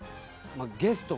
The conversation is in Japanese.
ゲスト